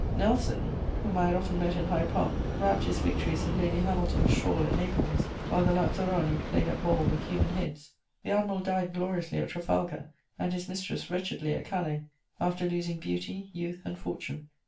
Nelson, whom I had often met in Hyde Park, wrapped his victories in Lady Hamilton's shawl at Naples, while the lazzaroni played at ball with human heads. The admiral died gloriously at Trafalgar, and his mistress wretchedly at Calais, after losing beauty, youth and fortune.